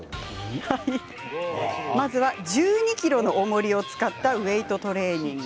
１２ｋｇのおもりを使ったウエイトトレーニング。